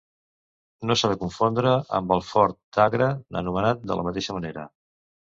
No s'ha de confondre amb el fort d'Agra, anomenat de la mateixa manera.